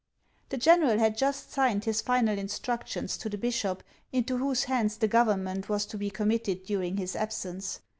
The general had just signed his final instructions to the bishop, into whose hands the government was to be com mitted during his absence.